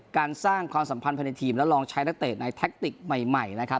การสร้างความสัมพันธ์ภายในทีมแล้วลองใช้นักเตะในแท็กติกใหม่นะครับ